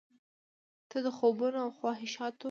ته د خوبونو او خواهشاتو،